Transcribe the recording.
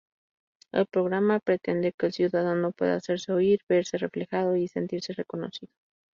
El programa pretende que el ciudadano pueda hacerse oír, verse reflejado y sentirse reconocido.